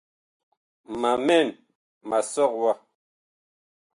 Ma mɛn ma sɔg wa.